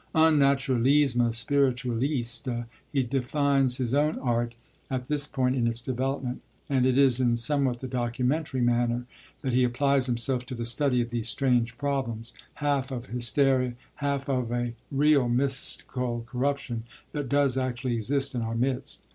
Un naturalisme spiritualiste, he defines his own art at this point in its development; and it is in somewhat the 'documentary' manner that he applies himself to the study of these strange problems, half of hysteria, half of a real mystical corruption that does actually exist in our midst.